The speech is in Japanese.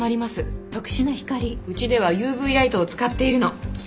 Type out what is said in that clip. うちではＵＶライトを使っているの。